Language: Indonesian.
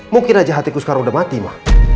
mungkin aja hatiku sekarang udah mati mah